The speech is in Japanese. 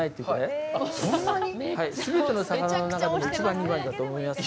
全ての魚の中で１番２番だと思います。